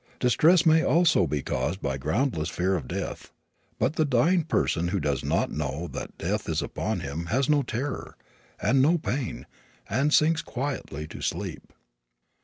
Distress may also be caused by groundless fear of death. But the dying person who does not know that death is upon him has no terror, and no pain, and sinks quietly to sleep.